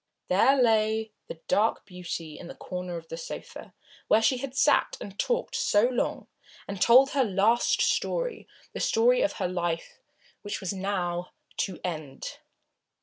There lay the dark beauty in the corner of the sofa, where she had sat and talked so long, and told her last story, the story of her life which was now to end.